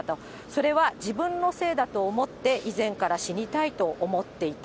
それは自分のせいだと思って、以前から死にたいと思っていた。